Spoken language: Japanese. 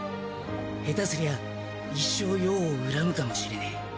下手すりゃ一生葉を恨むかもしれねえ。